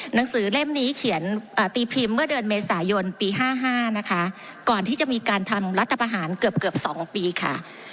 หนังสือเล่มนี้เขียนตีพิมพ์เมื่อเดือนเมษายนปี๕๕นะคะก่อนที่จะมีการทำรัฐประหารเกือบ๒ปีค่ะ